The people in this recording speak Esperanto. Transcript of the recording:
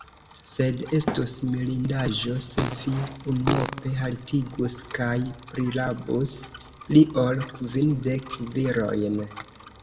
Sed estus mirindaĵo, se vi unuope haltigus kaj prirabus pli ol kvindek virojn!